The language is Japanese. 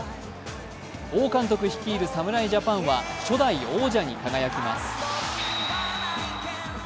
王監督率いる侍ジャパンは初代王者に輝きます。